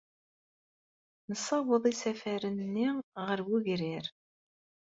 Nessaweḍ isafaren-nni ɣer wegrir.